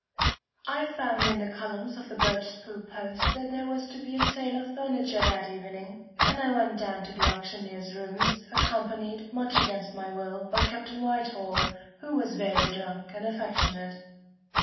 I found in the columns of the Birchespool Post that there was to be a sale of furniture that evening, and I went down to the auctioneer's rooms, accompanied, much against my will, by Captain Whitehall, who was very drunk and affectionate.